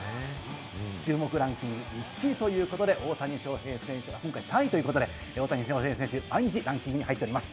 注目ランキング１位ということで、大谷翔平選手が今回３位ということで、大谷翔平選手、毎日ランキングに入っています。